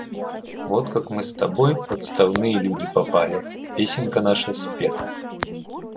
Вот как мы с тобой в отставные люди попали, песенка наша спета.